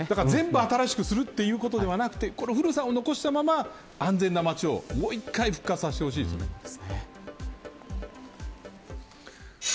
全部新しくするということではなく古いいいところを残したまま安全な街をもう一回復活させてほしいです。